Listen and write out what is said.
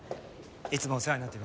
いつもお世話になっています。